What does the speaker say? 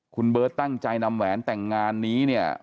คุณเบิร์ตตั้งใจนำแหวนแต่งงานนี้เนี่ย